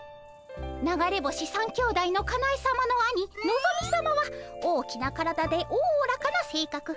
流れ星３兄弟のかなえさまの兄のぞみさまは大きな体でおおらかなせいかく。